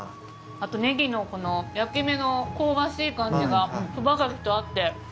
あとねぎの焼き目の香ばしい感じがそばがきと合って。